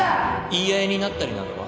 言い合いになったりなどは？